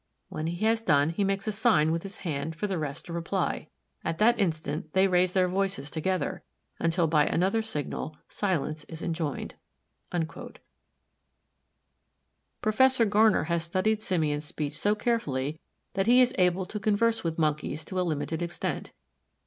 When he has done he makes a sign with his hand for the rest to reply. At that instant they raise their voices together, until by another signal silence is enjoined." Professor Garner has studied simian speech so carefully that he is able to converse with Monkeys to a limited extent.